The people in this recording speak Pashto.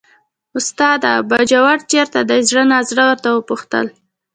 استاده! باجوړ چېرته دی، زړه نازړه ورته وپوښتل.